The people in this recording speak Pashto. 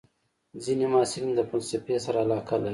ځینې محصلین د فلسفې سره علاقه لري.